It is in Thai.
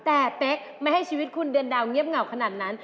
แต่เป๊กไม่ให้ชีวิตคุณเดือนดาวเงียบเหงาขนาดนั้น